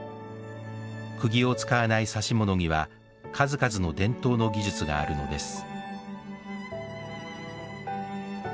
釘を使わない指物には数々の伝統の技術があるのです。